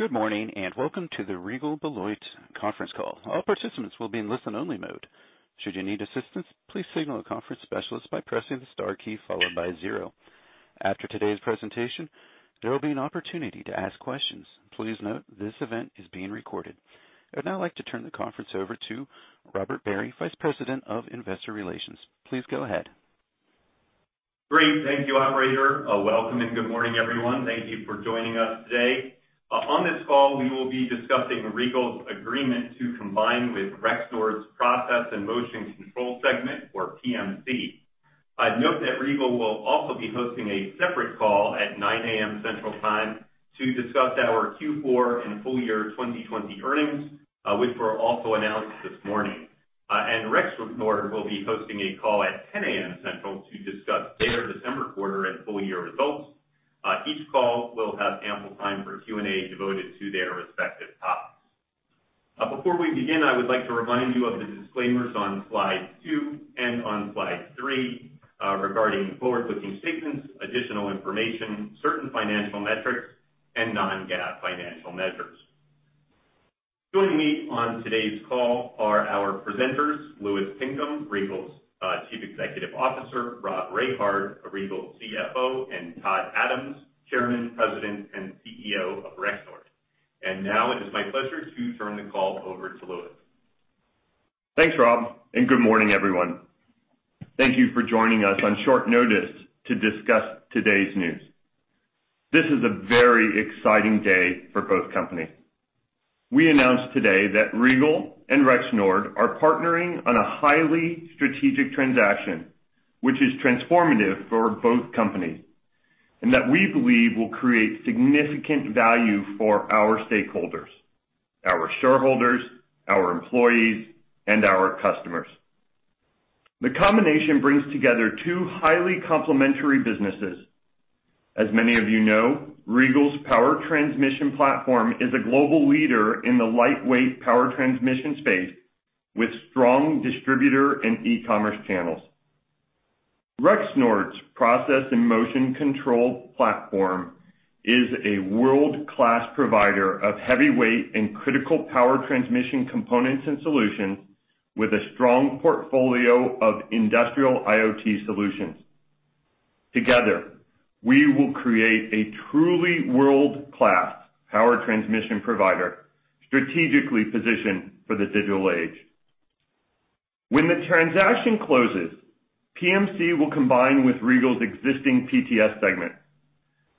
Good morning, welcome to the Regal Beloit conference call. All participants will be in listen-only mode. After today's presentation, there will be an opportunity to ask questions. Please note this event is being recorded. I would now like to turn the conference over to Robert Barry, Vice President of Investor Relations. Please go ahead. Great. Thank you, operator. Welcome and good morning, everyone. Thank you for joining us today. On this call, we will be discussing Regal's agreement to combine with Rexnord's Process & Motion Control segment, or PMC. I'd note that Regal will also be hosting a separate call at 9:00 A.M. Central Time to discuss our Q4 and full year 2020 earnings, which were also announced this morning. Rexnord will be hosting a call at 10:00 A.M. Central to discuss their December quarter and full-year results. Each call will have ample time for Q&A devoted to their respective topics. Before we begin, I would like to remind you of the disclaimers on slide two and on slide three regarding forward-looking statements, additional information, certain financial metrics, and non-GAAP financial measures. Joining me on today's call are our presenters, Louis Pinkham, Regal's Chief Executive Officer, Rob Rehard, Regal's CFO, and Todd Adams, Chairman, President, and CEO of Rexnord. Now it is my pleasure to turn the call over to Louis. Thanks, Rob. Good morning, everyone. Thank you for joining us on short notice to discuss today's news. This is a very exciting day for both companies. We announced today that Regal and Rexnord are partnering on a highly strategic transaction which is transformative for both companies, and that we believe will create significant value for our stakeholders, our shareholders, our employees, and our customers. The combination brings together two highly complementary businesses. As many of you know, Regal's Power Transmission platform is a global leader in the lightweight power transmission space with strong distributor and e-commerce channels. Rexnord's Process & Motion Control platform is a world-class provider of heavyweight and critical power transmission components and solutions with a strong portfolio of industrial IoT solutions. Together, we will create a truly world-class power transmission provider strategically positioned for the digital age. When the transaction closes, PMC will combine with Regal's existing PTS segment.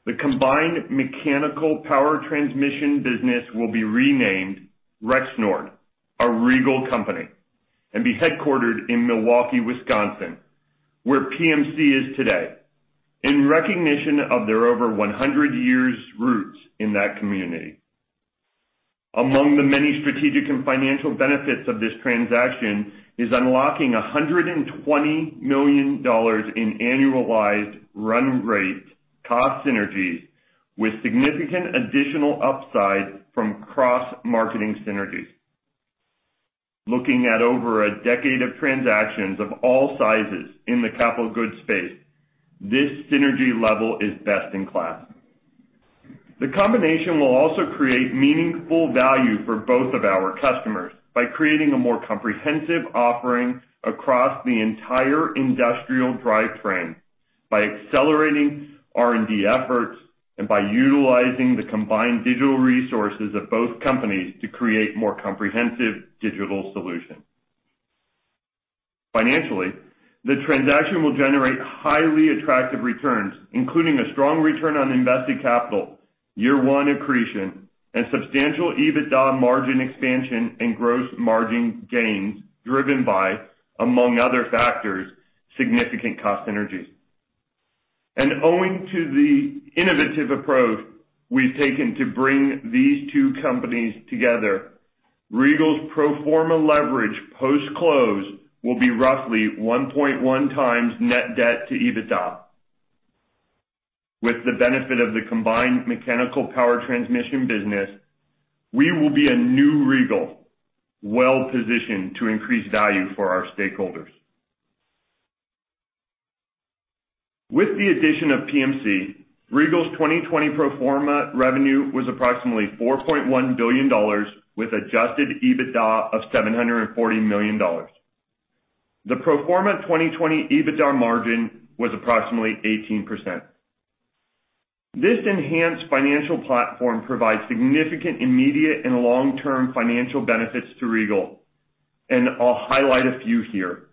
The combined mechanical power transmission business will be renamed Rexnord, a Regal company, and be headquartered in Milwaukee, Wisconsin, where PMC is today, in recognition of their over 100 years' roots in that community. Among the many strategic and financial benefits of this transaction is unlocking $120 million in annualized run rate cost synergies with significant additional upside from cross-marketing synergies. Looking at over a decade of transactions of all sizes in the capital goods space, this synergy level is best in class. The combination will also create meaningful value for both of our customers by creating a more comprehensive offering across the entire industrial drivetrain, by accelerating R&D efforts, and by utilizing the combined digital resources of both companies to create more comprehensive digital solutions. Financially, the transaction will generate highly attractive returns, including a strong return on invested capital, year one accretion, and substantial EBITDA margin expansion and gross margin gains driven by, among other factors, significant cost synergies. Owing to the innovative approach we've taken to bring these two companies together, Regal's pro forma leverage post-close will be roughly 1.1x net debt to EBITDA. With the benefit of the combined mechanical power transmission business, we will be a New Regal, well-positioned to increase value for our stakeholders. With the addition of PMC, Regal's 2020 pro forma revenue was approximately $4.1 billion, with adjusted EBITDA of $740 million. The pro forma 2020 EBITDA margin was approximately 18%. This enhanced financial platform provides significant immediate and long-term financial benefits to Regal, I'll highlight a few here.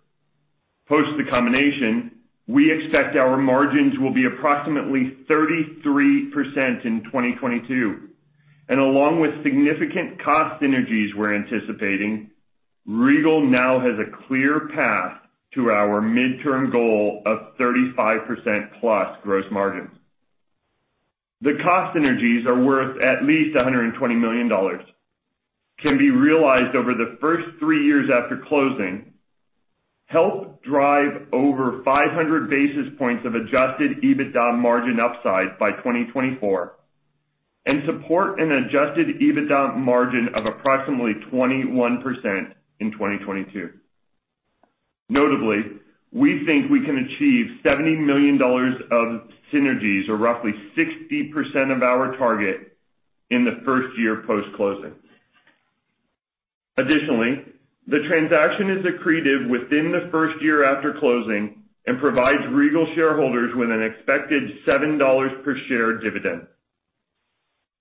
Post the combination, we expect our margins will be approximately 33% in 2022. Along with significant cost synergies we're anticipating, Regal now has a clear path to our midterm goal of 35%+ gross margins. The cost synergies are worth at least $120 million, can be realized over the first three years after closing, help drive over 500 basis points of adjusted EBITDA margin upside by 2024, and support an adjusted EBITDA margin of approximately 21% in 2022. Notably, we think we can achieve $70 million of synergies or roughly 60% of our target in the first year post-closing. The transaction is accretive within the first year after closing and provides Regal shareholders with an expected $7 per share dividend.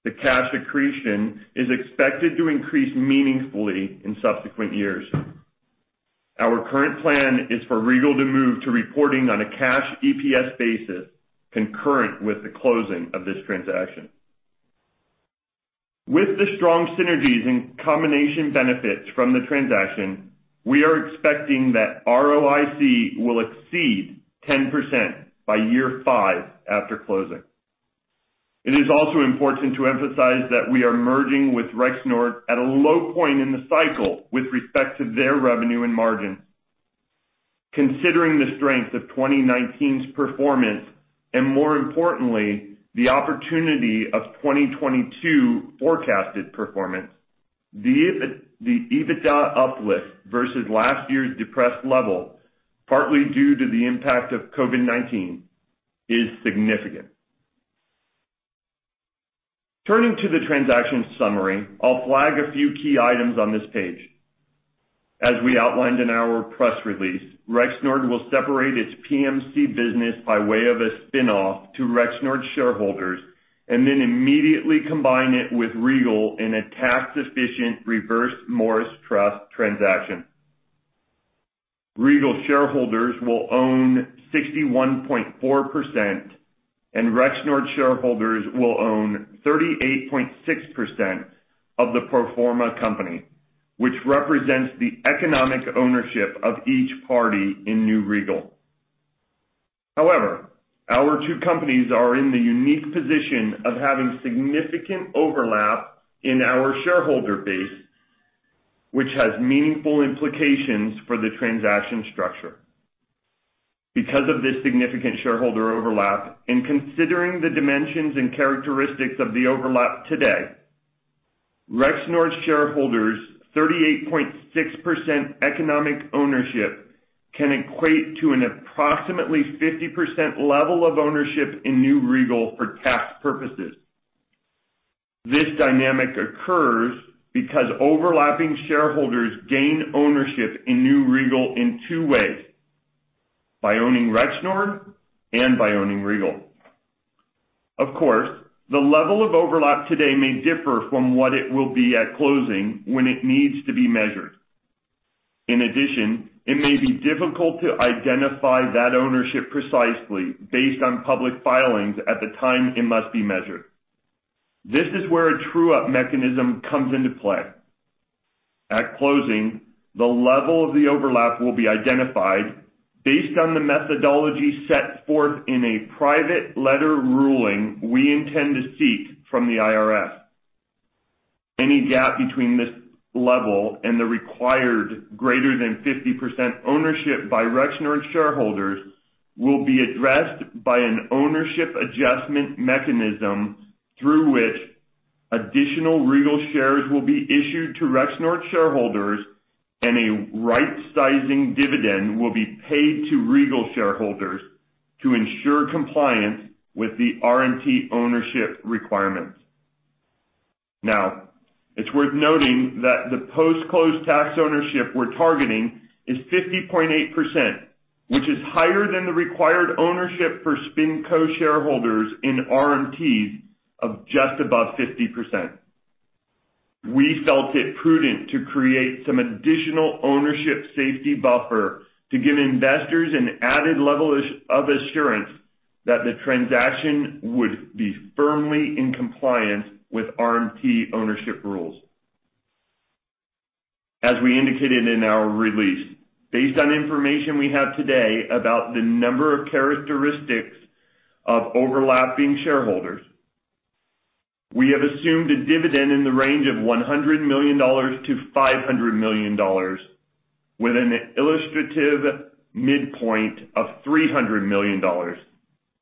The cash accretion is expected to increase meaningfully in subsequent years. Our current plan is for Regal to move to reporting on a cash EPS basis concurrent with the closing of this transaction. With the strong synergies and combination benefits from the transaction, we are expecting that ROIC will exceed 10% by year five after closing. It is also important to emphasize that we are merging with Rexnord at a low point in the cycle with respect to their revenue and margins. Considering the strength of 2019's performance, and more importantly, the opportunity of 2022 forecasted performance, the EBITDA uplift versus last year's depressed level, partly due to the impact of COVID-19, is significant. Turning to the transaction summary, I'll flag a few key items on this page. As we outlined in our press release, Rexnord will separate its PMC business by way of a spin-off to Rexnord shareholders and then immediately combine it with Regal in a tax-efficient Reverse Morris Trust transaction. Regal shareholders will own 61.4%, and Rexnord shareholders will own 38.6% of the pro forma company, which represents the economic ownership of each party in New Regal. However, our two companies are in the unique position of having significant overlap in our shareholder base, which has meaningful implications for the transaction structure. Because of this significant shareholder overlap and considering the dimensions and characteristics of the overlap today, Rexnord shareholders' 38.6% economic ownership can equate to an approximately 50% level of ownership in New Regal for tax purposes. This dynamic occurs because overlapping shareholders gain ownership in New Regal in two ways: by owning Rexnord and by owning Regal. Of course, the level of overlap today may differ from what it will be at closing when it needs to be measured. In addition, it may be difficult to identify that ownership precisely based on public filings at the time it must be measured. This is where a true-up mechanism comes into play. At closing, the level of the overlap will be identified based on the methodology set forth in a private letter ruling we intend to seek from the IRS. Any gap between this level and the required greater than 50% ownership by Rexnord shareholders will be addressed by an ownership adjustment mechanism through which additional Regal shares will be issued to Rexnord shareholders and a rights sizing dividend will be paid to Regal shareholders to ensure compliance with the RMT ownership requirements. It's worth noting that the post-close tax ownership we're targeting is 50.8%, which is higher than the required ownership for SpinCo shareholders in RMTs of just above 50%. We felt it prudent to create some additional ownership safety buffer to give investors an added level of assurance that the transaction would be firmly in compliance with RMT ownership rules. As we indicated in our release, based on information we have today about the number of characteristics of overlapping shareholders, we have assumed a dividend in the range of $100 million-$500 million with an illustrative midpoint of $300 million,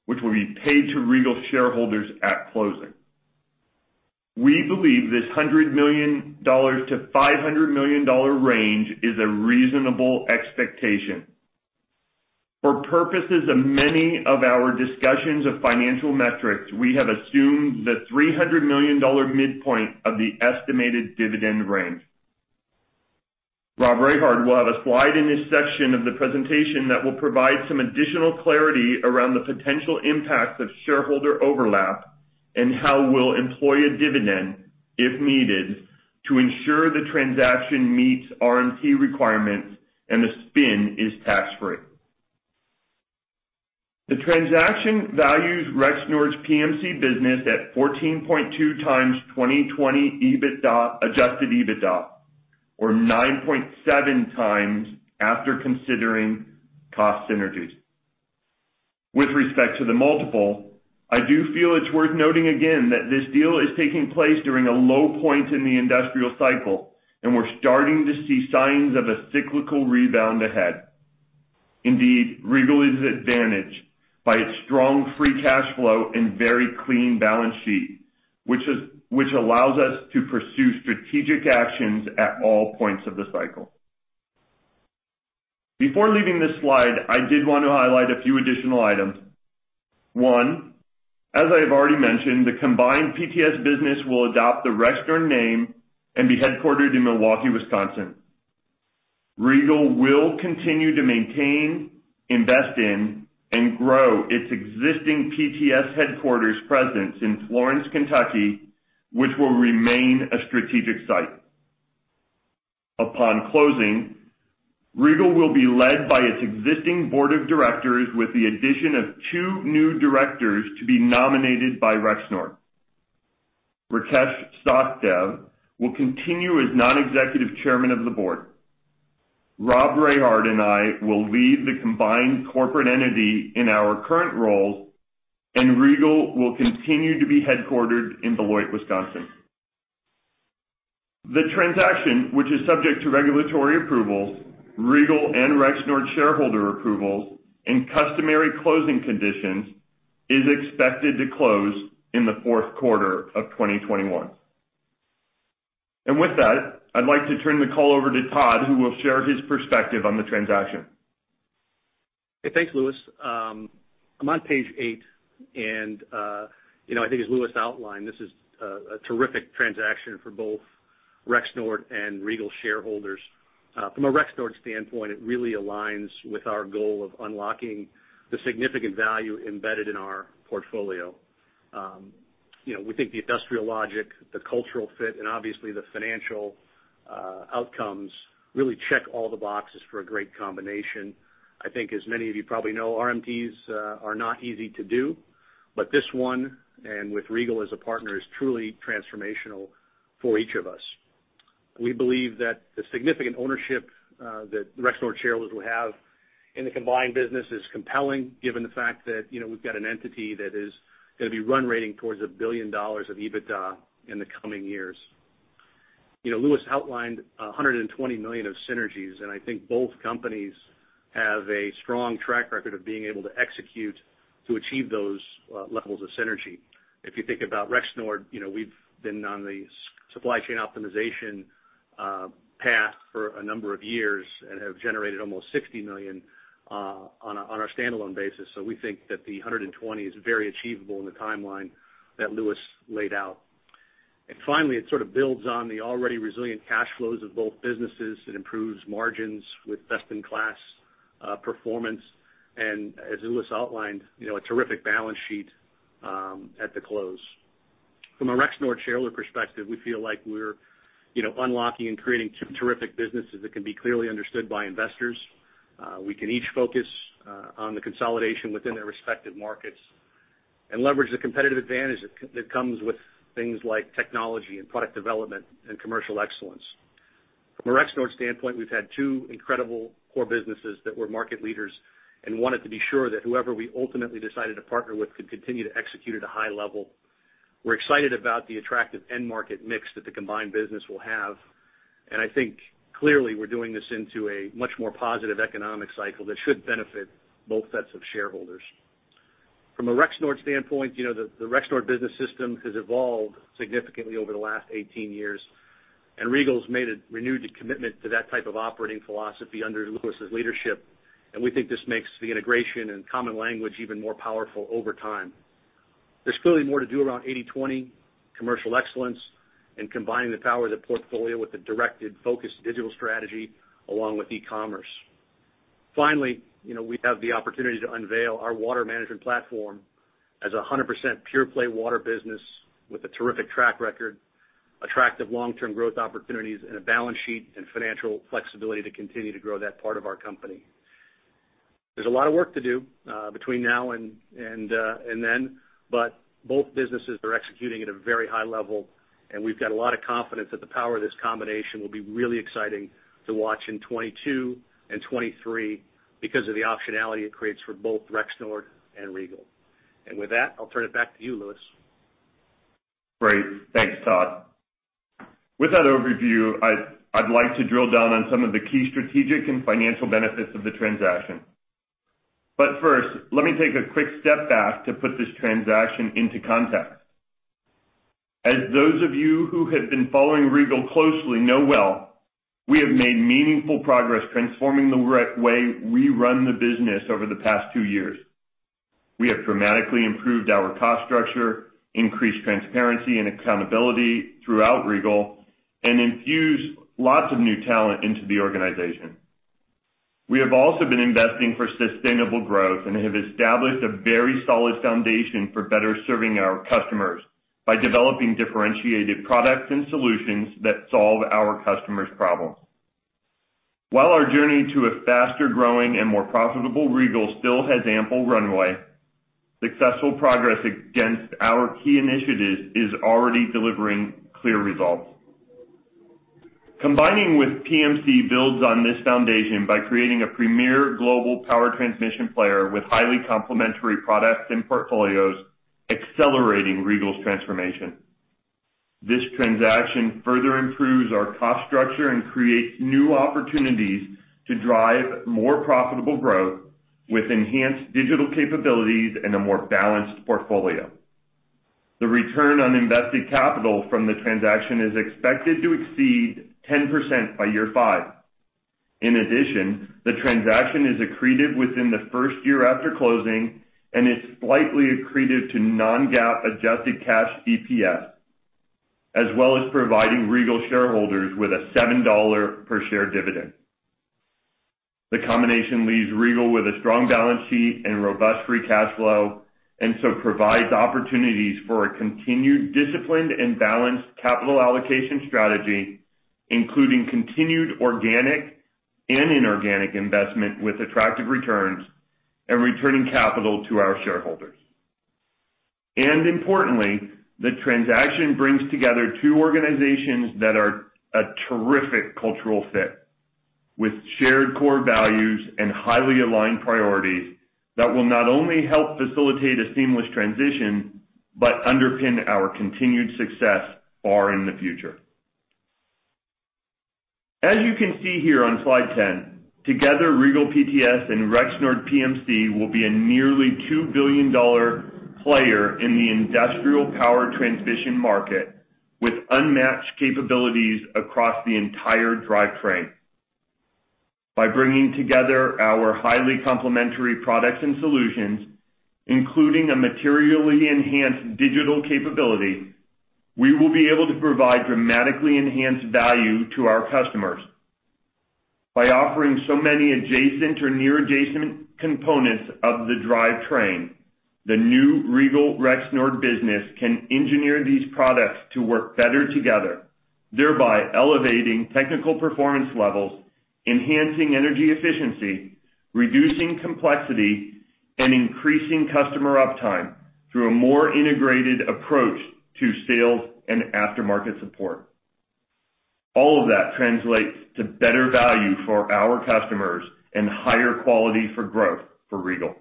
which will be paid to Regal shareholders at closing. We believe this $100 million-$500 million range is a reasonable expectation. For purposes of many of our discussions of financial metrics, we have assumed the $300 million midpoint of the estimated dividend range. Rob Rehard will have a slide in his section of the presentation that will provide some additional clarity around the potential impacts of shareholder overlap and how we'll employ a dividend, if needed, to ensure the transaction meets RMT requirements and the spin is tax-free. The transaction values Rexnord's PMC business at 14.2x 2020 adjusted EBITDA, or 9.7x after considering cost synergies. Regal is advantaged by its strong free cash flow and very clean balance sheet, which allows us to pursue strategic actions at all points of the cycle. Before leaving this slide, I did want to highlight a few additional items. One, as I have already mentioned, the combined PTS business will adopt the Rexnord name and be headquartered in Milwaukee, Wisconsin. Regal will continue to maintain, invest in, and grow its existing PTS headquarters presence in Florence, Kentucky, which will remain a strategic site. Upon closing, Regal will be led by its existing board of directors with the addition of two new directors to be nominated by Rexnord. Rakesh Sachdev will continue as non-executive chairman of the board. Rob Rehard and I will lead the combined corporate entity in our current roles, and Regal will continue to be headquartered in Beloit, Wisconsin. The transaction, which is subject to regulatory approvals, Regal and Rexnord shareholder approvals, and customary closing conditions, is expected to close in the fourth quarter of 2021. With that, I'd like to turn the call over to Todd, who will share his perspective on the transaction. Hey, thanks, Louis. I'm on page eight. I think as Louis outlined, this is a terrific transaction for both Rexnord and Regal shareholders. From a Rexnord standpoint, it really aligns with our goal of unlocking the significant value embedded in our portfolio. We think the industrial logic, the cultural fit, and obviously the financial outcomes really check all the boxes for a great combination. I think as many of you probably know, RMTs are not easy to do. This one, and with Regal as a partner, is truly transformational for each of us. We believe that the significant ownership that Rexnord shareholders will have in the combined business is compelling given the fact that we've got an entity that is going to be run rating towards $1 billion of EBITDA in the coming years. Louis outlined $120 million of synergies, and I think both companies have a strong track record of being able to execute to achieve those levels of synergy. If you think about Rexnord, we've been on the supply chain optimization path for a number of years and have generated almost $60 million on a standalone basis. We think that the $120 is very achievable in the timeline that Louis laid out. Finally, it sort of builds on the already resilient cash flows of both businesses. It improves margins with best-in-class performance, and as Louis outlined, a terrific balance sheet at the close. From a Rexnord shareholder perspective, we feel like we're unlocking and creating two terrific businesses that can be clearly understood by investors. We can each focus on the consolidation within their respective markets and leverage the competitive advantage that comes with things like technology and product development and commercial excellence. From a Rexnord standpoint, we've had two incredible core businesses that were market leaders and wanted to be sure that whoever we ultimately decided to partner with could continue to execute at a high level. We're excited about the attractive end market mix that the combined business will have, and I think clearly we're doing this into a much more positive economic cycle that should benefit both sets of shareholders. From a Rexnord standpoint, the Rexnord Business System has evolved significantly over the last 18 years, and Regal's made a renewed commitment to that type of operating philosophy under Louis's leadership, and we think this makes the integration and common language even more powerful over time. There's clearly more to do around 80/20 commercial excellence and combining the power of the portfolio with a directed, focused digital strategy along with e-commerce. Finally, we have the opportunity to unveil our water management platform as a 100% pure play water business with a terrific track record, attractive long-term growth opportunities, and a balance sheet and financial flexibility to continue to grow that part of our company. There's a lot of work to do between now and then, but both businesses are executing at a very high level, and we've got a lot of confidence that the power of this combination will be really exciting to watch in 2022 and 2023 because of the optionality it creates for both Rexnord and Regal. With that, I'll turn it back to you, Louis. Great. Thanks, Todd. With that overview, I'd like to drill down on some of the key strategic and financial benefits of the transaction. First, let me take a quick step back to put this transaction into context. As those of you who have been following Regal closely know well, we have made meaningful progress transforming the way we run the business over the past two years. We have dramatically improved our cost structure, increased transparency and accountability throughout Regal, and infused lots of new talent into the organization. We have also been investing for sustainable growth and have established a very solid foundation for better serving our customers by developing differentiated products and solutions that solve our customers' problems. While our journey to a faster-growing and more profitable Regal still has ample runway, successful progress against our key initiatives is already delivering clear results. Combining with PMC builds on this foundation by creating a premier global power transmission player with highly complementary products and portfolios, accelerating Regal's transformation. This transaction further improves our cost structure and creates new opportunities to drive more profitable growth with enhanced digital capabilities and a more balanced portfolio. The return on invested capital from the transaction is expected to exceed 10% by year five. In addition, the transaction is accretive within the first year after closing and is slightly accretive to non-GAAP adjusted cash DPS, as well as providing Regal shareholders with a $7 per share dividend. The combination leaves Regal with a strong balance sheet and robust free cash flow, and so provides opportunities for a continued disciplined and balanced capital allocation strategy, including continued organic and inorganic investment with attractive returns, and returning capital to our shareholders. Importantly, the transaction brings together two organizations that are a terrific cultural fit, with shared core values and highly aligned priorities that will not only help facilitate a seamless transition, but underpin our continued success far in the future. As you can see here on slide 10, together, Regal PTS and Rexnord PMC will be a nearly $2 billion player in the industrial power transmission market, with unmatched capabilities across the entire drivetrain. By bringing together our highly complementary products and solutions, including a materially enhanced digital capability, we will be able to provide dramatically enhanced value to our customers. By offering so many adjacent or near adjacent components of the drivetrain, the new Regal Rexnord business can engineer these products to work better together, thereby elevating technical performance levels, enhancing energy efficiency, reducing complexity, and increasing customer uptime through a more integrated approach to sales and aftermarket support. All of that translates to better value for our customers and higher quality for growth for Regal.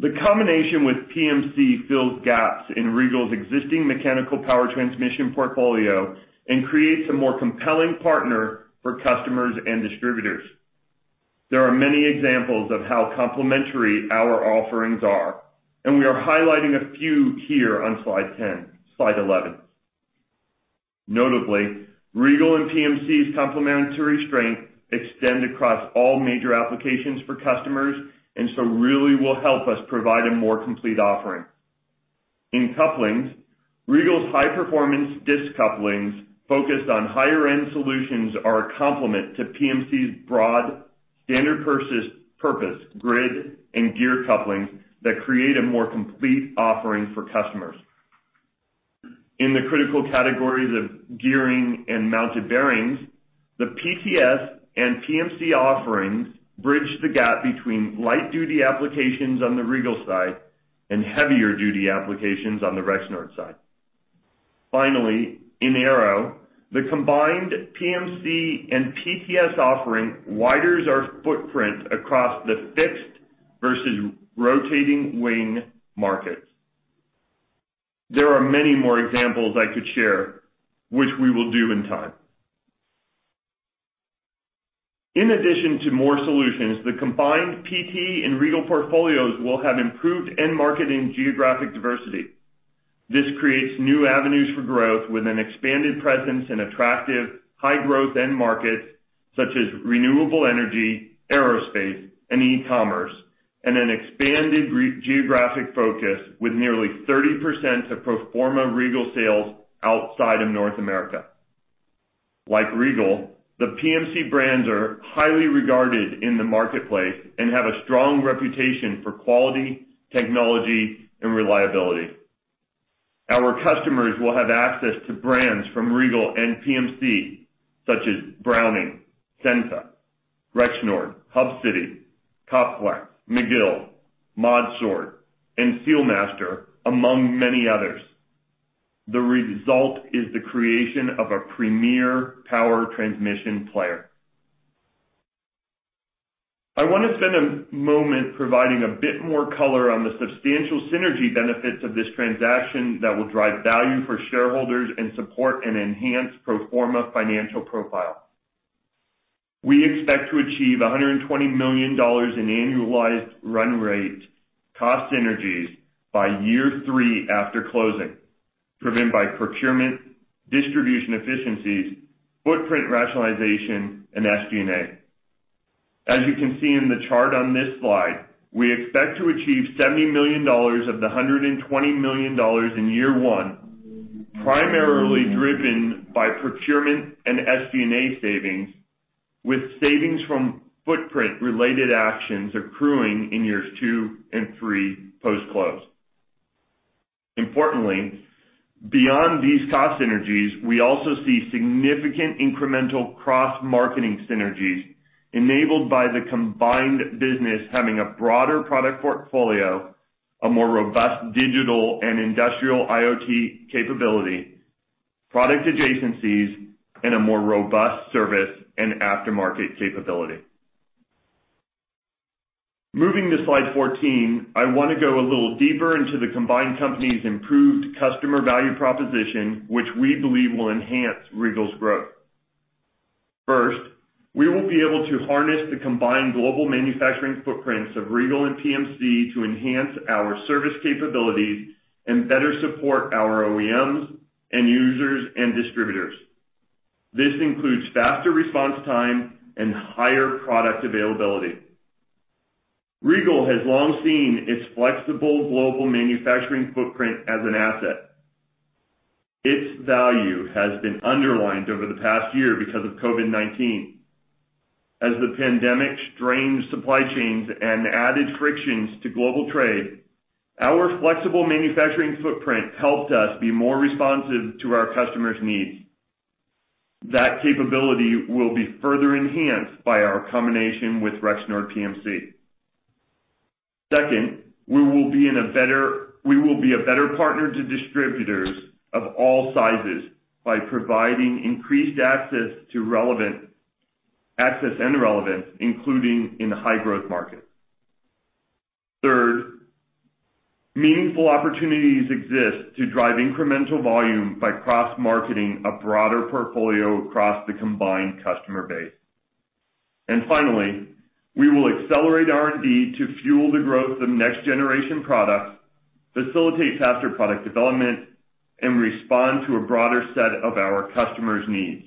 The combination with PMC fills gaps in Regal's existing mechanical power transmission portfolio and creates a more compelling partner for customers and distributors. There are many examples of how complementary our offerings are, and we are highlighting a few here on slide 11. Notably, Regal and PMC's complementary strength extend across all major applications for customers, and so really will help us provide a more complete offering. In couplings, Regal's high-performance disc couplings, focused on higher end solutions, are a complement to PMC's broad standard-purpose grid and gear couplings that create a more complete offering for customers. In the critical categories of gearing and mounted bearings, the PTS and PMC offerings bridge the gap between light duty applications on the Regal side and heavier duty applications on the Rexnord side. Finally, in aero, the combined PMC and PTS offering widens our footprint across the fixed versus rotating wing markets. There are many more examples I could share, which we will do in time. In addition to more solutions, the combined PT and Regal portfolios will have improved end market and geographic diversity. This creates new avenues for growth with an expanded presence in attractive high growth end markets such as renewable energy, aerospace, and e-commerce, and an expanded geographic focus with nearly 30% of pro forma Regal sales outside of North America. Like Regal, the PMC brands are highly regarded in the marketplace and have a strong reputation for quality, technology, and reliability. Our customers will have access to brands from Regal and PMC such as Browning, CENTA, Rexnord, Hub City, Kop-Flex, McGill, ModSort, and Sealmaster, among many others. The result is the creation of a premier power transmission player. I want to spend a moment providing a bit more color on the substantial synergy benefits of this transaction that will drive value for shareholders and support an enhanced pro forma financial profile. We expect to achieve $120 million in annualized run rate cost synergies by year three after closing, driven by procurement, distribution efficiencies, footprint rationalization, and SG&A. As you can see in the chart on this slide, we expect to achieve $70 million of the $120 million in year one, primarily driven by procurement and SG&A savings, with savings from footprint-related actions accruing in years two and three post-close. Importantly, beyond these cost synergies, we also see significant incremental cross-marketing synergies enabled by the combined business having a broader product portfolio, a more robust digital and industrial IoT capability, product adjacencies, and a more robust service and aftermarket capability. Moving to slide 14, I want to go a little deeper into the combined company's improved customer value proposition, which we believe will enhance Regal's growth. First, we will be able to harness the combined global manufacturing footprints of Regal and PMC to enhance our service capabilities and better support our OEMs, end users, and distributors. This includes faster response time and higher product availability. Regal has long seen its flexible global manufacturing footprint as an asset. Its value has been underlined over the past year because of COVID-19. As the pandemic strained supply chains and added frictions to global trade, our flexible manufacturing footprint helped us be more responsive to our customers' needs. That capability will be further enhanced by our combination with Rexnord PMC. Second, we will be a better partner to distributors of all sizes by providing increased access and relevance, including in high-growth markets. Third, meaningful opportunities exist to drive incremental volume by cross-marketing a broader portfolio across the combined customer base. Finally, we will accelerate R&D to fuel the growth of next-generation products, facilitate faster product development, and respond to a broader set of our customers' needs.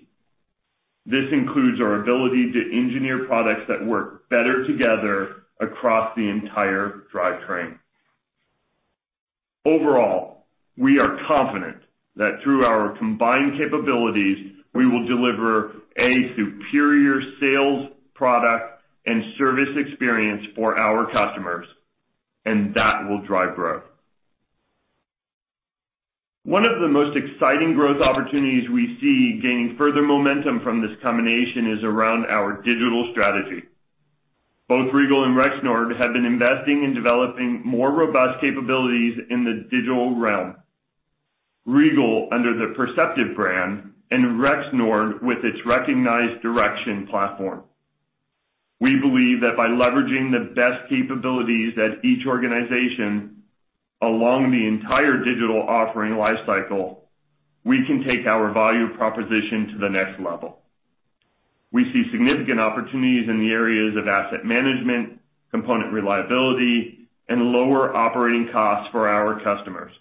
This includes our ability to engineer products that work better together across the entire drivetrain. Overall, we are confident that through our combined capabilities, we will deliver a superior sales product and service experience for our customers, and that will drive growth. One of the most exciting growth opportunities we see gaining further momentum from this combination is around our digital strategy. Both Regal and Rexnord have been investing in developing more robust capabilities in the digital realm, Regal under the Perceptiv brand, and Rexnord with its recognized DiRXN platform. We believe that by leveraging the best capabilities at each organization along the entire digital offering life cycle, we can take our value proposition to the next level. We see significant opportunities in the areas of asset management, component reliability, and lower operating costs for our customers.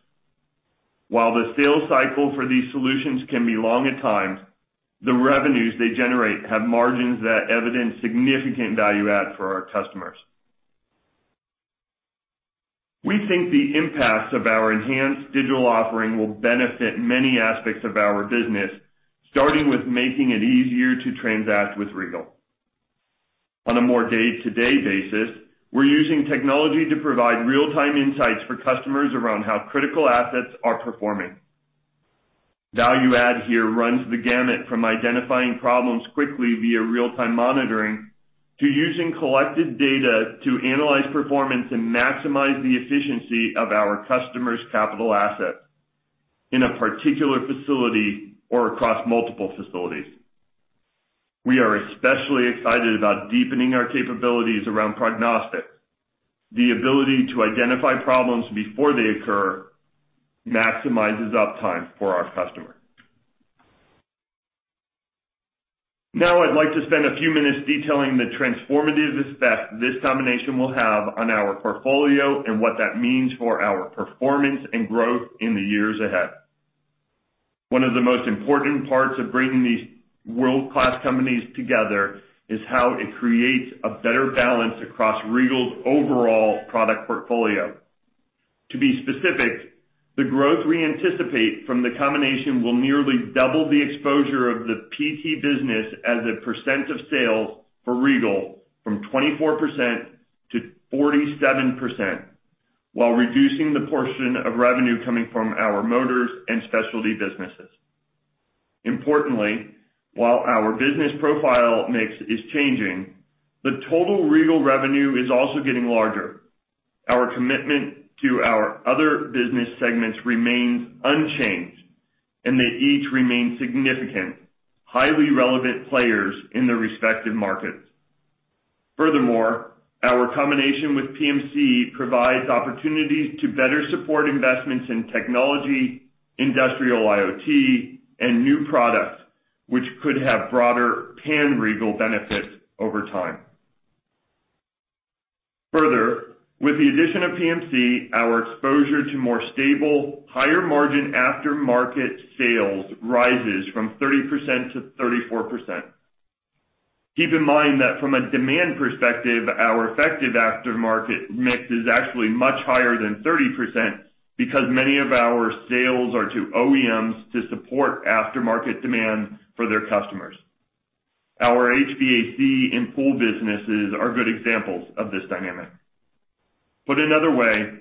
While the sales cycle for these solutions can be long at times, the revenues they generate have margins that evidence significant value add for our customers. We think the impacts of our enhanced digital offering will benefit many aspects of our business, starting with making it easier to transact with Regal. On a more day-to-day basis, we're using technology to provide real-time insights for customers around how critical assets are performing. Value add here runs the gamut from identifying problems quickly via real-time monitoring, to using collected data to analyze performance and maximize the efficiency of our customers' capital assets in a particular facility or across multiple facilities. We are especially excited about deepening our capabilities around prognostics. The ability to identify problems before they occur maximizes uptime for our customer. I'd like to spend a few minutes detailing the transformative effect this combination will have on our portfolio and what that means for our performance and growth in the years ahead. One of the most important parts of bringing these world-class companies together is how it creates a better balance across Regal's overall product portfolio. To be specific, the growth we anticipate from the combination will nearly double the exposure of the PT business as a percent of sales for Regal from 24%-47%, while reducing the portion of revenue coming from our motors and specialty businesses. Importantly, while our business profile mix is changing, the total Regal revenue is also getting larger. Our commitment to our other business segments remains unchanged, and they each remain significant, highly relevant players in their respective markets. Furthermore, our combination with PMC provides opportunities to better support investments in technology, industrial IoT, and new products, which could have broader pan-Regal benefits over time. Further, with the addition of PMC, our exposure to more stable, higher-margin aftermarket sales rises from 30%-34%. Keep in mind that from a demand perspective, our effective aftermarket mix is actually much higher than 30% because many of our sales are to OEMs to support aftermarket demand for their customers. Our HVAC and pool businesses are good examples of this dynamic. Put another way,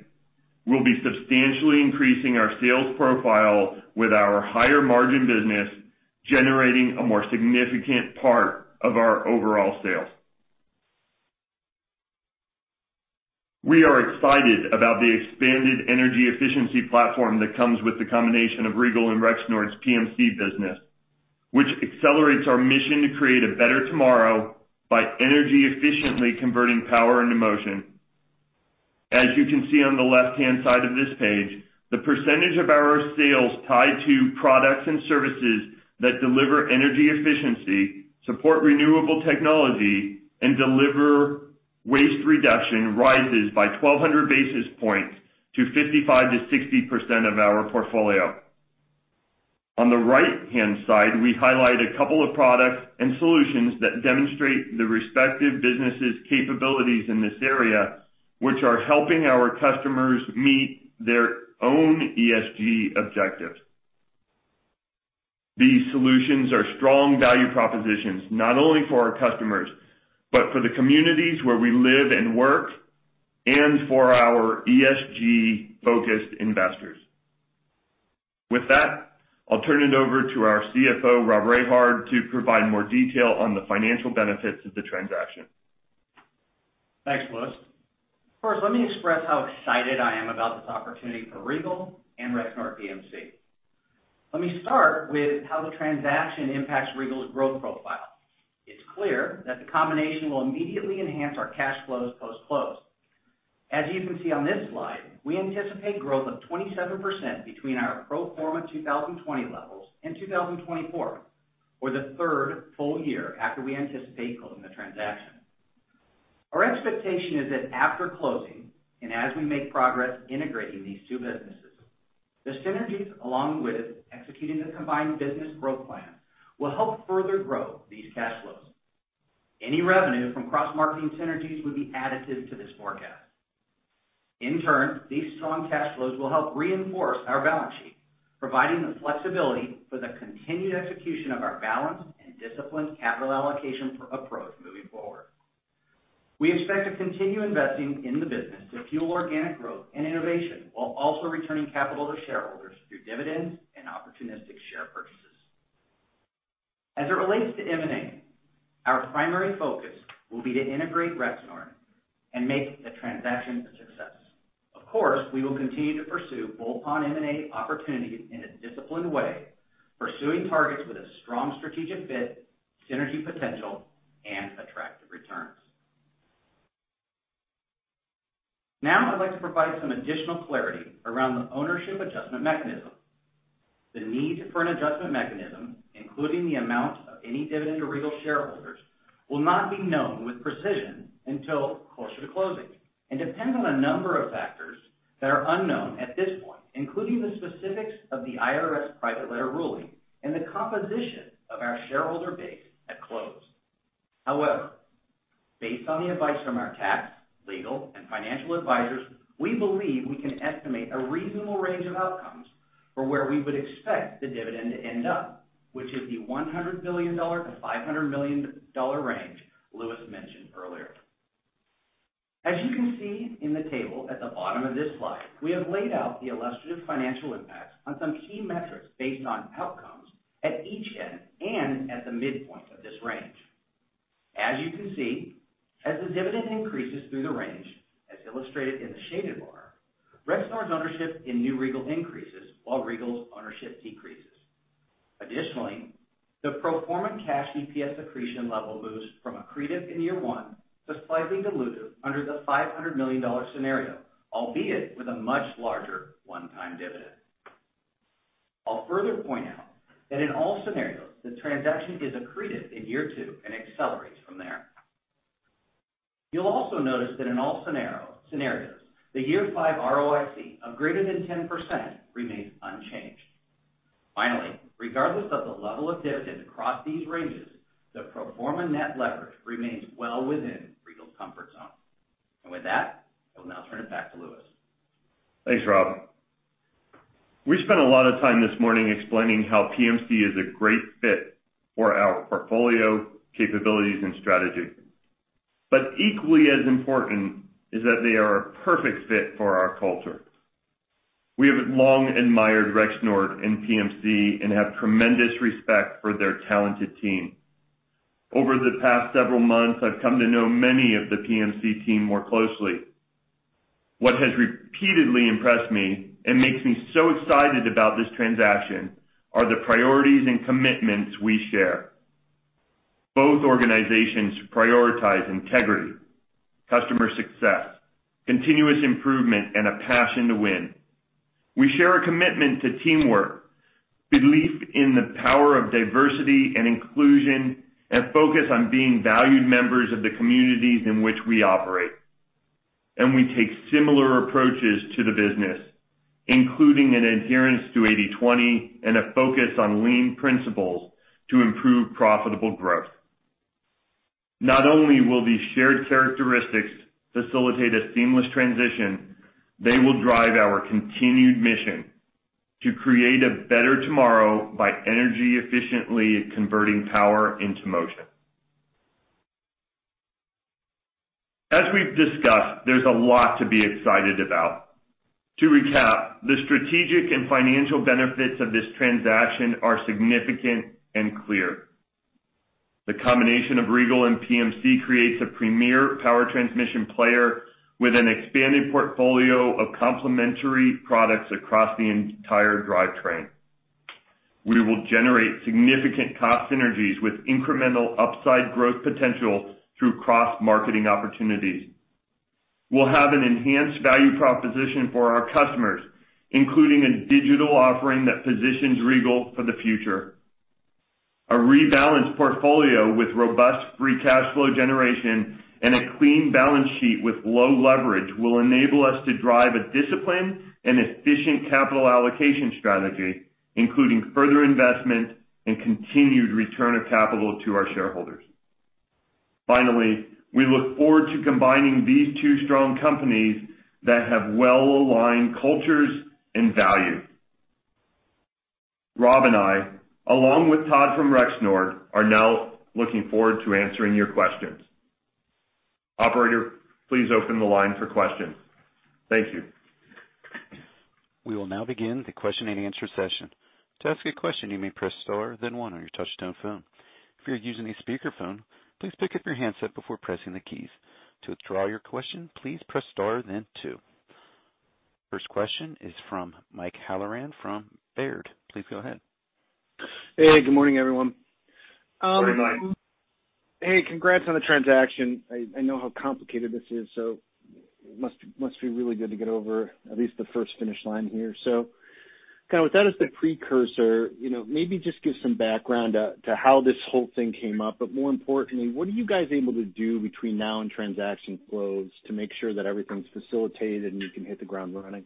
we'll be substantially increasing our sales profile with our higher-margin business, generating a more significant part of our overall sales. We are excited about the expanded energy efficiency platform that comes with the combination of Regal and Rexnord's PMC business, which accelerates our mission to create a better tomorrow by energy efficiently converting power into motion. As you can see on the left-hand side of this page, the percentage of our sales tied to products and services that deliver energy efficiency, support renewable technology, and deliver waste reduction rises by 1,200 basis points to 55%-60% of our portfolio. On the right-hand side, we highlight a couple of products and solutions that demonstrate the respective businesses' capabilities in this area, which are helping our customers meet their own ESG objectives. These solutions are strong value propositions not only for our customers, but for the communities where we live and work, and for our ESG-focused investors. With that, I'll turn it over to our CFO, Rob Rehard, to provide more detail on the financial benefits of the transaction. Thanks, Louis. First, let me express how excited I am about this opportunity for Regal and Rexnord PMC. Let me start with how the transaction impacts Regal's growth profile. It's clear that the combination will immediately enhance our cash flows post-close. As you can see on this slide, we anticipate growth of 27% between our pro forma 2020 levels and 2024, or the third full year after we anticipate closing the transaction. Our expectation is that after closing, and as we make progress integrating these two businesses, the synergies, along with executing the combined business growth plan, will help further grow these cash flows. Any revenue from cross-marketing synergies would be additive to this forecast. In turn, these strong cash flows will help reinforce our balance sheet, providing the flexibility for the continued execution of our balanced and disciplined capital allocation approach moving forward. We expect to continue investing in the business to fuel organic growth and innovation, while also returning capital to shareholders through dividends and opportunistic share purchases. As it relates to M&A, our primary focus will be to integrate Rexnord and make the transaction a success. Of course, we will continue to pursue bolt-on M&A opportunities in a disciplined way, pursuing targets with a strong strategic fit, synergy potential, and attractive returns. Now I'd like to provide some additional clarity around the ownership adjustment mechanism. The need for an adjustment mechanism, including the amount of any dividend to Regal shareholders, will not be known with precision until closer to closing and depends on a number of factors that are unknown at this point, including the specifics of the IRS private letter ruling and the composition of our shareholder base at close. Based on the advice from our tax, legal, and financial advisors, we believe we can estimate a reasonable range of outcomes for where we would expect the dividend to end up, which is the $100 million-$500 million range Louis mentioned earlier. As you can see in the table at the bottom of this slide, we have laid out the illustrative financial impacts on some key metrics based on outcomes at each end and at the midpoint of this range. As you can see, as the dividend increases through the range, as illustrated in the shaded bar, Rexnord's ownership in New Regal increases while Regal's ownership decreases. Additionally, the pro forma cash EPS accretion level moves from accretive in year one to slightly dilutive under the $500 million scenario, albeit with a much larger one-time dividend. I'll further point out that in all scenarios, the transaction is accretive in year two and accelerates from there. You'll also notice that in all scenarios, the year five ROIC of greater than 10% remains unchanged. Finally, regardless of the level of dividend across these ranges, the pro forma net leverage remains well within Regal's comfort zone. With that, I will now turn it back to Louis. Thanks, Rob. We spent a lot of time this morning explaining how PMC is a great fit for our portfolio, capabilities, and strategy. Equally as important is that they are a perfect fit for our culture. We have long admired Rexnord and PMC and have tremendous respect for their talented team. Over the past several months, I've come to know many of the PMC team more closely. What has repeatedly impressed me and makes me so excited about this transaction are the priorities and commitments we share. Both organizations prioritize integrity, customer success, continuous improvement, and a passion to win. We share a commitment to teamwork, belief in the power of diversity and inclusion, and focus on being valued members of the communities in which we operate. We take similar approaches to the business, including an adherence to 80/20 and a focus on lean principles to improve profitable growth. Not only will these shared characteristics facilitate a seamless transition, they will drive our continued mission to create a better tomorrow by energy efficiently converting power into motion. As we've discussed, there's a lot to be excited about. To recap, the strategic and financial benefits of this transaction are significant and clear. The combination of Regal and PMC creates a premier power transmission player with an expanded portfolio of complementary products across the entire drivetrain. We will generate significant cost synergies with incremental upside growth potential through cross-marketing opportunities. We'll have an enhanced value proposition for our customers, including a digital offering that positions Regal for the future. A rebalanced portfolio with robust free cash flow generation and a clean balance sheet with low leverage will enable us to drive a disciplined and efficient capital allocation strategy, including further investment and continued return of capital to our shareholders. Finally, we look forward to combining these two strong companies that have well-aligned cultures and values. Rob and I, along with Todd from Rexnord, are now looking forward to answering your questions. Operator, please open the line for questions. Thank you. First question is from Mike Halloran from Baird. Please go ahead. Hey, good morning, everyone. Morning, Mike. Hey, congrats on the transaction. I know how complicated this is, it must be really good to get over at least the first finish line here. With that as the precursor, maybe just give some background to how this whole thing came up. More importantly, what are you guys able to do between now and transaction close to make sure that everything's facilitated, and you can hit the ground running?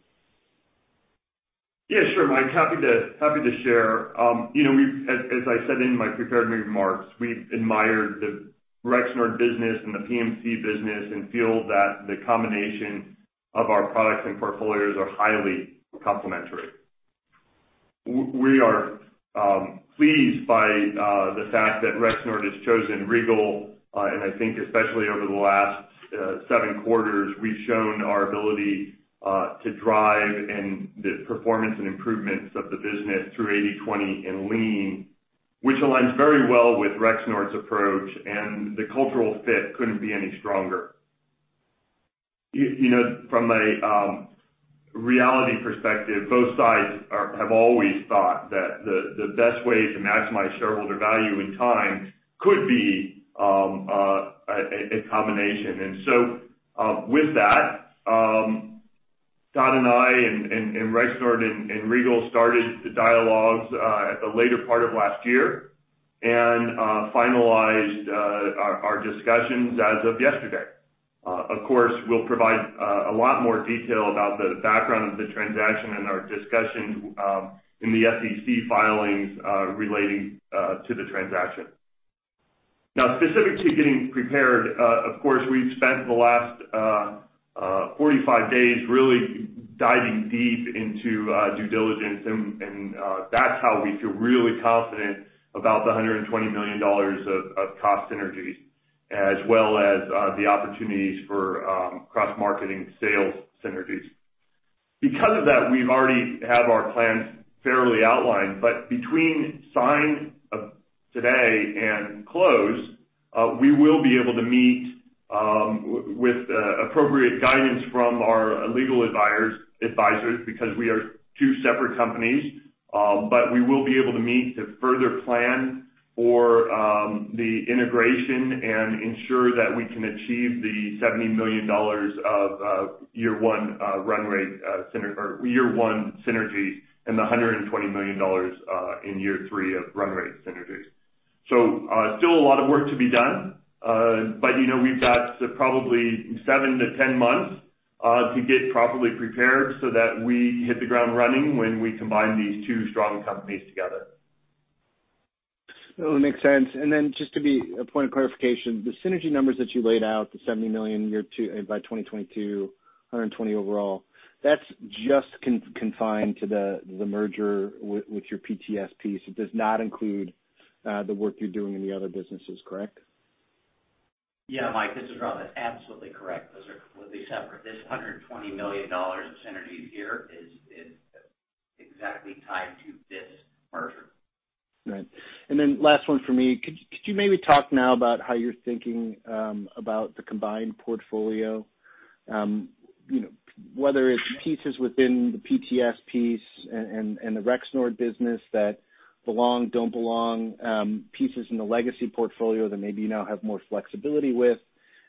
Yeah, sure, Mike. Happy to share. As I said in my prepared remarks, we've admired the Rexnord business and the PMC business and feel that the combination of our products and portfolios are highly complementary. We are pleased by the fact that Rexnord has chosen Regal. I think especially over the last seven quarters, we've shown our ability to drive the performance and improvements of the business through 80/20 and Lean, which aligns very well with Rexnord's approach. The cultural fit couldn't be any stronger. From a reality perspective, both sides have always thought that the best way to maximize shareholder value in time could be a combination. With that, Todd and I and Rexnord and Regal started the dialogues at the later part of last year and finalized our discussions as of yesterday. Of course, we'll provide a lot more detail about the background of the transaction and our discussions in the SEC filings relating to the transaction. Now, specific to getting prepared, of course, we've spent the last 45 days really diving deep into due diligence, and that's how we feel really confident about the $120 million of cost synergies, as well as the opportunities for cross-marketing sales synergies. Because of that, we already have our plans fairly outlined, but between sign today and close, we will be able to meet with appropriate guidance from our legal advisors because we are two separate companies. We will be able to meet to further plan for the integration and ensure that we can achieve the $70 million of year one synergy and the $120 million in year three of run rate synergies. Still a lot of work to be done, but we've got probably seven to 10 months to get properly prepared so that we hit the ground running when we combine these two strong companies together. No, it makes sense. Just to be a point of clarification, the synergy numbers that you laid out, the $70 million by 2022, $120 million overall, that's just confined to the merger with your PTS piece. It does not include the work you're doing in the other businesses, correct? Yeah, Mike, this is Rob. Absolutely correct. Those are completely separate. This $120 million of synergies here is exactly tied to this merger. Right. Last one for me. Could you maybe talk now about how you're thinking about the combined portfolio? Whether it's pieces within the PMC piece and the Rexnord business that belong, don't belong, pieces in the legacy portfolio that maybe you now have more flexibility with.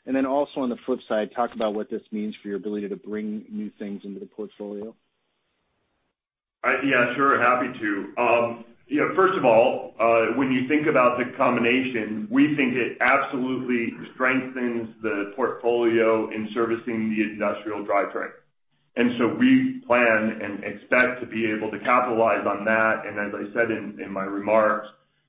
Also on the flip side, talk about what this means for your ability to bring new things into the portfolio. Yeah, sure. Happy to. First of all, when you think about the combination, we think it absolutely strengthens the portfolio in servicing the industrial drivetrain. We plan and expect to be able to capitalize on that. As I said in my remarks,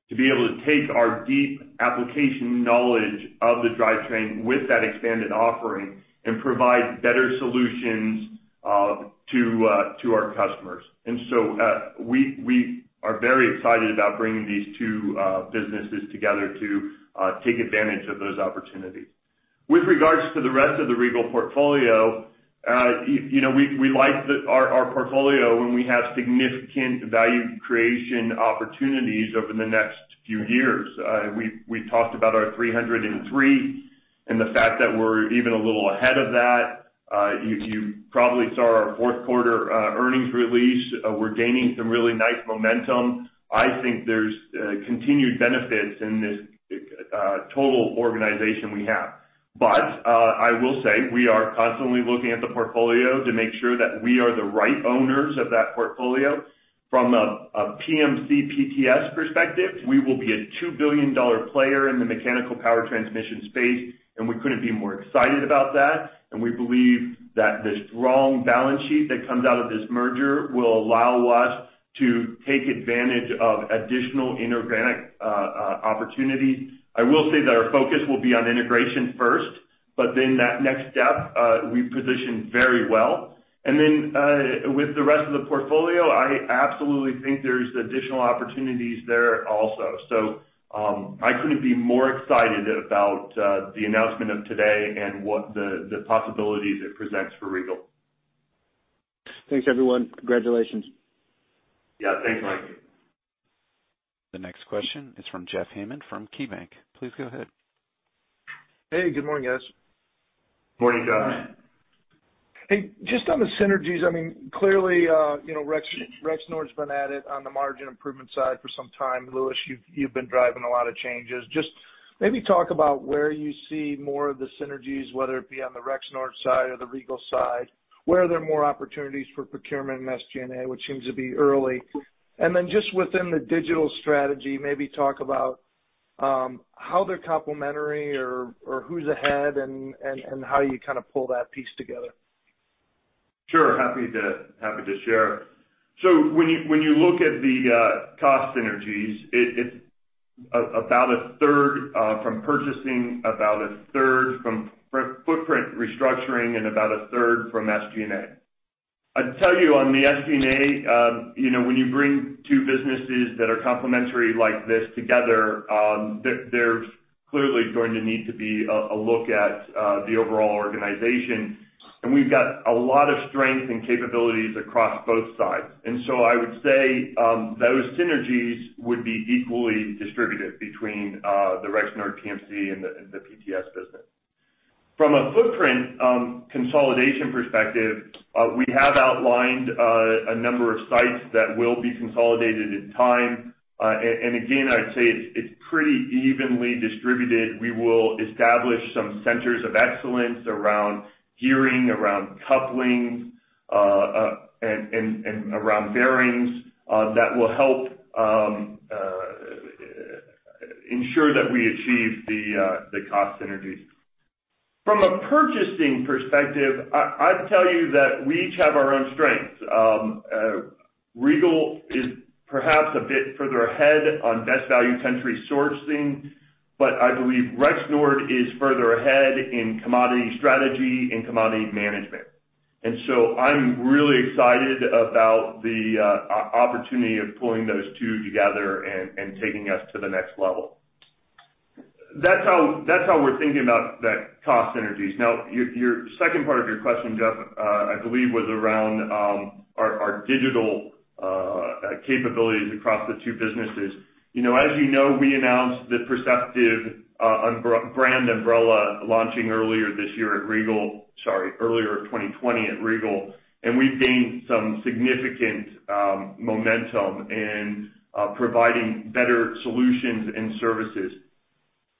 to be able to take our deep application knowledge of the drivetrain with that expanded offering and provide better solutions to our customers. We are very excited about bringing these two businesses together to take advantage of those opportunities. With regards to the rest of the Regal portfolio, we like our portfolio, and we have significant value creation opportunities over the next few years. We talked about our 303 and the fact that we're even a little ahead of that. You probably saw our fourth quarter earnings release. We're gaining some really nice momentum. I think there's continued benefits in this total organization we have. I will say, we are constantly looking at the portfolio to make sure that we are the right owners of that portfolio. From a PMC PTS perspective, we will be a $2 billion player in the mechanical power transmission space, and we couldn't be more excited about that. We believe that the strong balance sheet that comes out of this merger will allow us to take advantage of additional inorganic opportunity. I will say that our focus will be on integration first, but then that next step, we position very well. With the rest of the portfolio, I absolutely think there's additional opportunities there also. I couldn't be more excited about the announcement of today and what the possibilities it presents for Regal. Thanks, everyone. Congratulations. Yeah. Thanks, Mike. The next question is from Jeff Hammond from KeyBanc. Please go ahead. Hey, good morning, guys. Morning, Jeff. Hey, just on the synergies, clearly Rexnord's been at it on the margin improvement side for some time. Louis, you've been driving a lot of changes. Just maybe talk about where you see more of the synergies, whether it be on the Rexnord side or the Regal side. Where are there more opportunities for procurement and SG&A, which seems to be early? Then just within the digital strategy, maybe talk about how they're complementary or who's ahead and how you pull that piece together. Sure. Happy to share. When you look at the cost synergies, it's about a third from purchasing, about a third from footprint restructuring, and about a third from SG&A. I'd tell you on the SG&A, when you bring two businesses that are complementary like this together, there's clearly going to need to be a look at the overall organization. We've got a lot of strength and capabilities across both sides. I would say those synergies would be equally distributed between the Rexnord PMC and the PTS business. From a footprint consolidation perspective, we have outlined a number of sites that will be consolidated in time. Again, I'd say it's pretty evenly distributed. We will establish some centers of excellence around gearing, around couplings, and around bearings that will help ensure that we achieve the cost synergies. From a purchasing perspective, I'd tell you that we each have our own strengths. Regal is perhaps a bit further ahead on best value country sourcing, but I believe Rexnord is further ahead in commodity strategy and commodity management. I'm really excited about the opportunity of pulling those two together and taking us to the next level. That's how we're thinking about the cost synergies. Now, your second part of your question, Jeff, I believe was around our digital capabilities across the two businesses. As you know, we announced the Perceptiv brand umbrella launching earlier this year at Regal. Sorry, earlier 2020 at Regal, and we've gained some significant momentum in providing better solutions and services.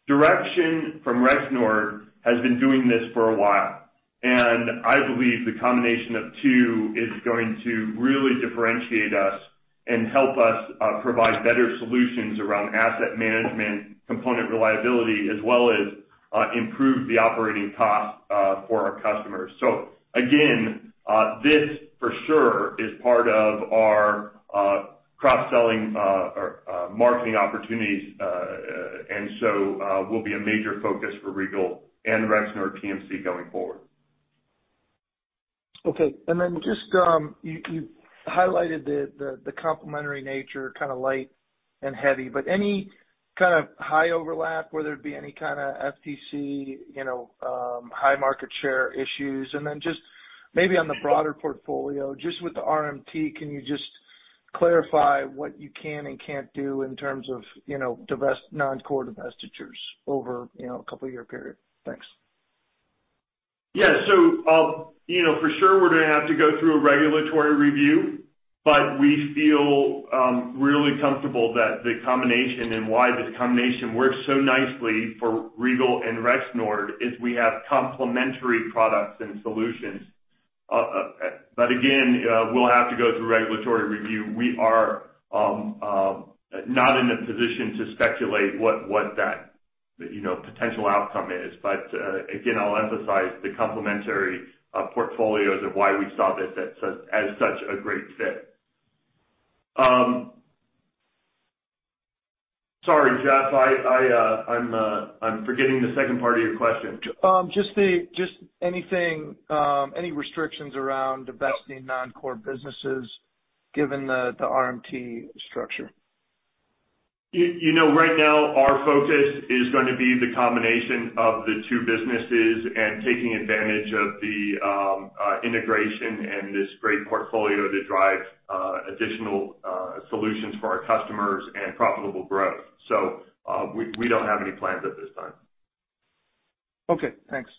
DiRXN from Rexnord has been doing this for a while, and I believe the combination of two is going to really differentiate us and help us provide better solutions around asset management, component reliability, as well as improve the operating costs for our customers. Again, this for sure is part of our cross-selling or marketing opportunities, and so will be a major focus for Regal and Rexnord PMC going forward. Okay. Just you highlighted the complementary nature, kind of light and heavy, but any kind of high overlap, whether it be any kind of FTC high market share issues? Just maybe on the broader portfolio, just with the RMT, can you just clarify what you can and can't do in terms of non-core divestitures over a couple year period? Thanks. Yeah. For sure we're going to have to go through a regulatory review, but we feel really comfortable that the combination and why this combination works so nicely for Regal and Rexnord is we have complementary products and solutions. Again, we'll have to go through regulatory review. We are not in a position to speculate what that potential outcome is. Again, I'll emphasize the complementary portfolios of why we saw this as such a great fit. Sorry, Jeff, I'm forgetting the second part of your question. Just any restrictions around divesting non-core businesses given the RMT structure? Right now, our focus is going to be the combination of the two businesses and taking advantage of the integration and this great portfolio that drives additional solutions for our customers and profitable growth. We don't have any plans at this time. Okay, thanks.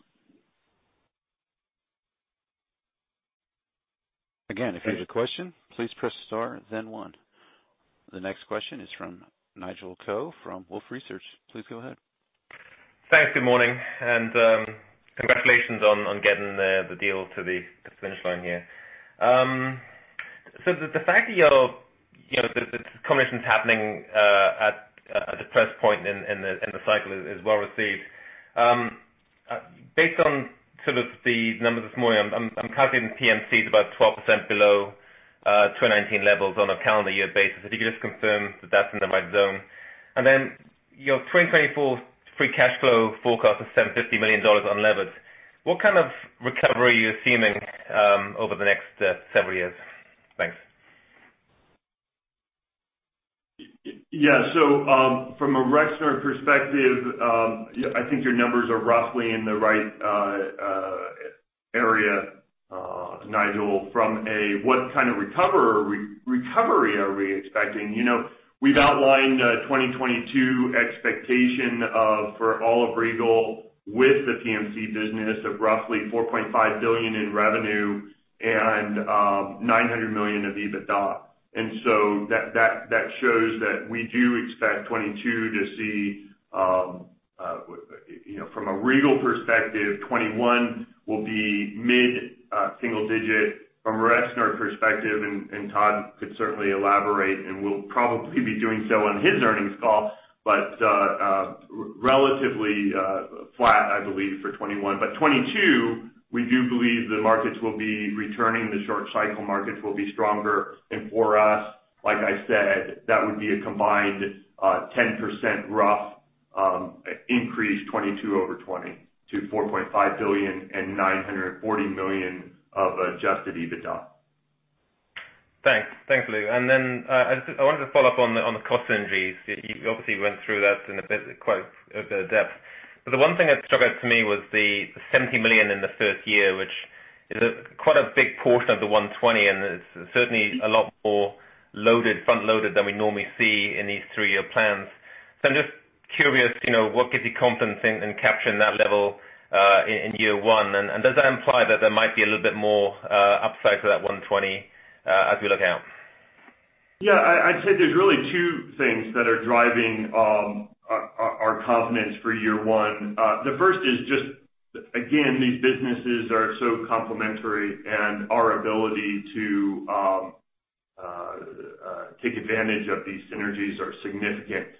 Again, if you have a question, please press star then one. The next question is from Nigel Coe from Wolfe Research. Please go ahead. Thanks. Good morning, and congratulations on getting the deal to the finish line here. The fact that this combination's happening at a depressed point in the cycle is well received. Based on sort of the numbers this morning, I'm calculating PMC is about 12% below 2019 levels on a calendar year basis. If you could just confirm that that's in the right zone. Your 2024 free cash flow forecast is $750 million unlevered. What kind of recovery are you assuming over the next several years? Thanks. Yeah. From a Rexnord perspective, I think your numbers are roughly in the right area, Nigel. From a what kind of recovery are we expecting? We've outlined 2022 expectation for all of Regal with the PMC business of roughly $4.5 billion in revenue and $900 million of EBITDA. That shows that we do expect 2022 to see, from a Regal perspective, 2021 will be mid-single digit. From a Rexnord perspective, Todd could certainly elaborate and will probably be doing so on his earnings call, but relatively flat, I believe, for 2021. 2022, we do believe the markets will be returning, the short cycle markets will be stronger. For us, like I said, that would be a combined 10% rough increase 2022 over 2020 to $4.5 billion and $940 million of adjusted EBITDA. Thanks. Thanks, Lou. I wanted to follow up on the cost synergies. You obviously went through that in quite a depth. The one thing that stuck out to me was the $70 million in the first year, which is quite a big portion of the $120 million, and it's certainly a lot more front-loaded than we normally see in these three-year plans. I'm just curious, what gives you confidence in capturing that level in year one, and does that imply that there might be a little bit more upside to that $120 million as we look out? Yeah, I'd say there's really two things that are driving our confidence for year one. The first is just, again, these businesses are so complementary, and our ability to take advantage of these synergies are significant.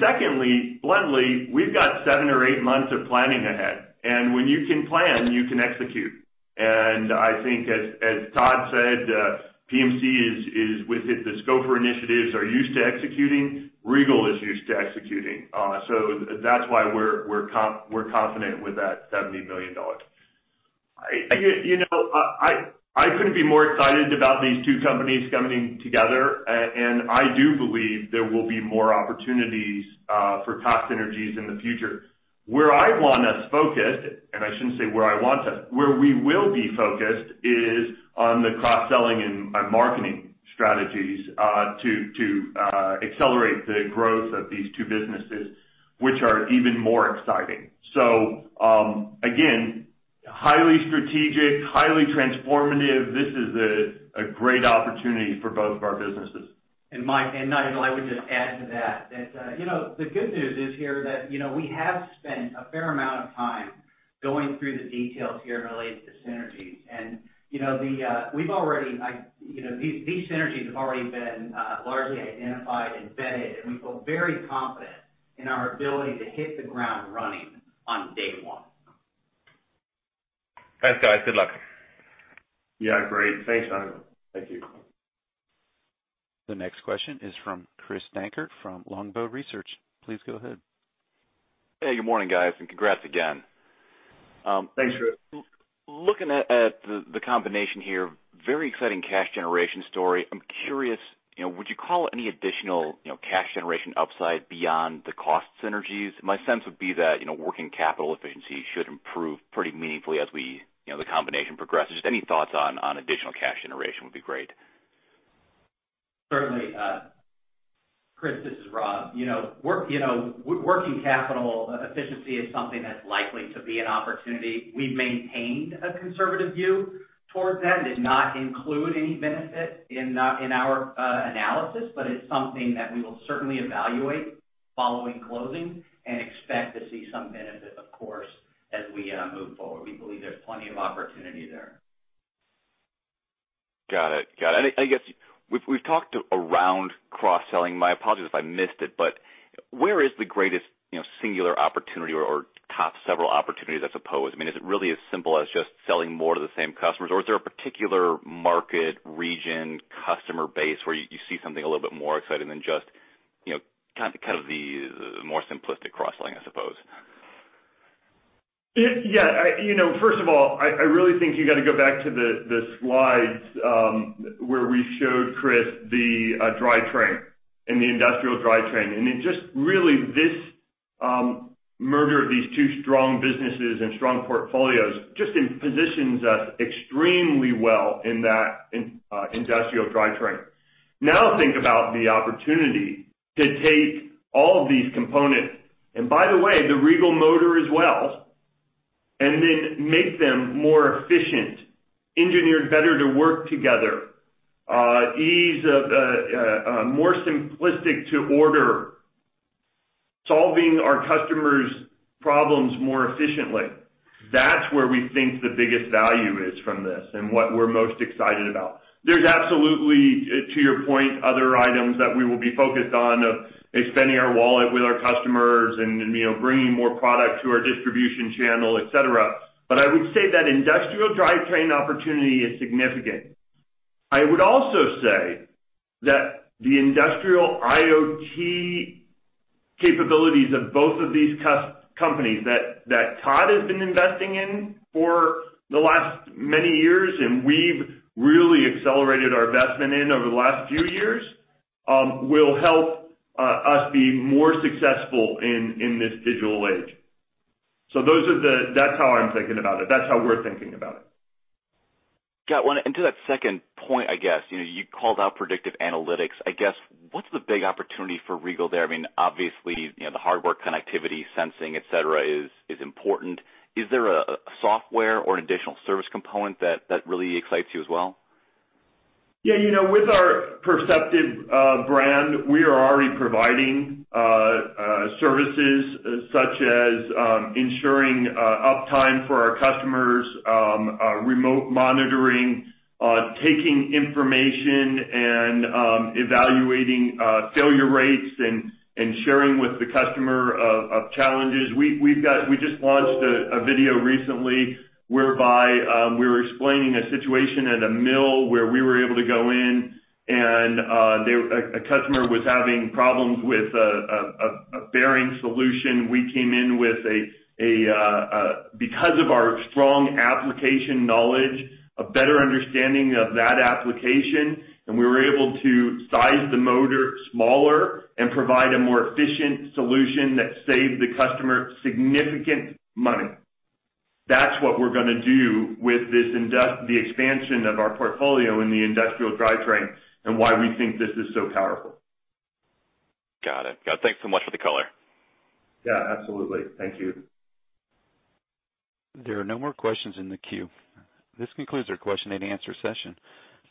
Secondly, bluntly, we've got seven or eight months of planning ahead, and when you can plan, you can execute. I think as Todd said, PMC with the scope for initiatives are used to executing. Regal is used to executing. That's why we're confident with that $70 million. I couldn't be more excited about these two companies coming together, and I do believe there will be more opportunities for cost synergies in the future. Where I want us focused, and I shouldn't say where I want us, where we will be focused is on the cross-selling and marketing strategies to accelerate the growth of these two businesses, which are even more exciting. Again, highly strategic, highly transformative. This is a great opportunity for both of our businesses. Nigel, I would just add to that, the good news is here that we have spent a fair amount of time going through the details here related to synergies, and these synergies have already been largely identified and vetted, and we feel very confident in our ability to hit the ground running on day one. Thanks, guys. Good luck. Yeah, great. Thanks, Nigel. Thank you. The next question is from Chris Dankert from Longbow Research. Please go ahead. Hey, good morning, guys, and congrats again. Thanks, Chris. Looking at the combination here, very exciting cash generation story. I'm curious, would you call out any additional cash generation upside beyond the cost synergies? My sense would be that working capital efficiency should improve pretty meaningfully as the combination progresses. Just any thoughts on additional cash generation would be great. Certainly. Chris, this is Rob. Working capital efficiency is something that's likely to be an opportunity. We've maintained a conservative view towards that and did not include any benefit in our analysis. It's something that we will certainly evaluate following closing and expect to see some benefit, of course, as we move forward. We believe there's plenty of opportunity there. Got it. I guess we've talked around cross-selling. My apologies if I missed it, where is the greatest singular opportunity or top several opportunities, I suppose? I mean, is it really as simple as just selling more to the same customers, or is there a particular market, region, customer base where you see something a little bit more exciting than just kind of the more simplistic cross-selling, I suppose? Yeah. First of all, I really think you got to go back to the slides where we showed, Chris, the industrial drivetrain. It just really, this merger of these two strong businesses and strong portfolios, just positions us extremely well in that industrial drivetrain. Now think about the opportunity to take all of these components, and by the way, the Regal motor as well, and then make them more efficient, engineered better to work together, more simplistic to order, solving our customers' problems more efficiently. That's where we think the biggest value is from this and what we're most excited about. There's absolutely, to your point, other items that we will be focused on of expanding our wallet with our customers and bringing more product to our distribution channel, etc. I would say that industrial drivetrain opportunity is significant. I would also say that the industrial IoT capabilities of both of these companies that Todd has been investing in for the last many years, and we've really accelerated our investment in over the last few years, will help us be more successful in this digital age. That's how I'm thinking about it. That's how we're thinking about it. Todd, to that second point, I guess, you called out predictive analytics. I guess, what's the big opportunity for Regal there? Obviously, the hardware connectivity, sensing, et cetera, is important. Is there a software or an additional service component that really excites you as well? With our Perceptiv brand, we are already providing services such as ensuring uptime for our customers, remote monitoring, taking information, and evaluating failure rates, and sharing with the customer of challenges. We just launched a video recently whereby we were explaining a situation at a mill where we were able to go in, and a customer was having problems with a bearing solution. We came in with, because of our strong application knowledge, a better understanding of that application, and we were able to size the motor smaller and provide a more efficient solution that saved the customer significant money. That's what we're going to do with the expansion of our portfolio in the industrial drivetrain and why we think this is so powerful. Got it. Thanks so much for the color. Yeah, absolutely. Thank you. There are no more questions in the queue. This concludes our question and answer session.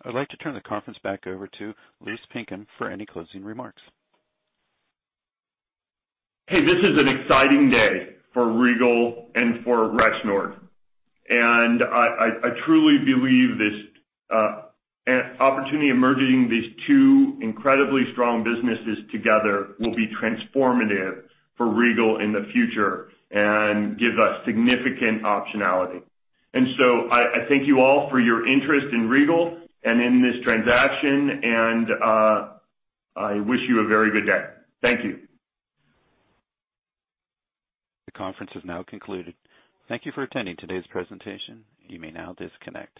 I'd like to turn the conference back over to Louis Pinkham for any closing remarks. Hey, this is an exciting day for Regal and for Rexnord. I truly believe this opportunity of merging these two incredibly strong businesses together will be transformative for Regal in the future and give us significant optionality. So I thank you all for your interest in Regal and in this transaction, and I wish you a very good day. Thank you. The conference has now concluded. Thank you for attending today's presentation. You may now disconnect.